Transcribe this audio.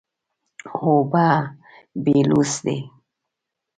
اوبه بېلوث دي.